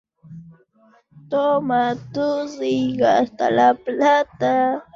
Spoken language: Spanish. Desde la estación salen trenes internacionales, interregionales y regionales.